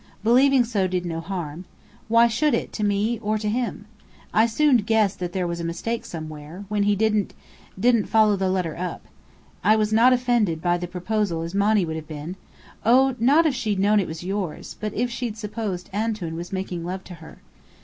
Believing so, did no harm. Why should it, to me, or to him? I soon guessed that there was a mistake somewhere when he didn't didn't follow the letter up. I was not offended by the proposal as Monny would have been oh, not if she'd known it was yours, but if she'd supposed Antoun was making love to her.